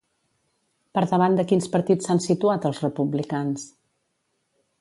Per davant de quins partits s'han situat els republicans?